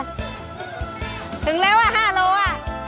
ถึงแล้วอะ๕โลอะ